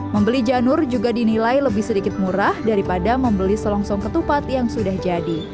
membeli janur juga dinilai lebih sedikit murah daripada membeli selongsong ketupat yang sudah jadi